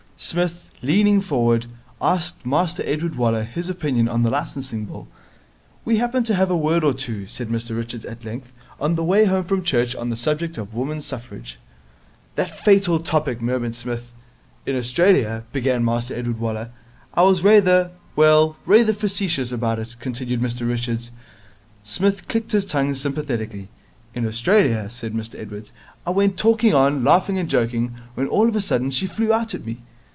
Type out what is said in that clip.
Psmith, leaning forward, asked Master Edward Waller his opinion on the Licensing Bill. 'We happened to have a word or two,' said Mr Richards at length, 'on the way home from church on the subject of Women's Suffrage.' 'That fatal topic!' murmured Psmith. 'In Australia ' began Master Edward Waller. 'I was rayther well, rayther facetious about it,' continued Mr Richards. Psmith clicked his tongue sympathetically. 'In Australia ' said Edward. 'I went talking on, laughing and joking, when all of a sudden she flew out at me.